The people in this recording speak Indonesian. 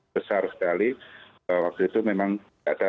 besar sekali waktu itu memang tidak ada